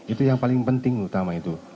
itu yang paling penting utama itu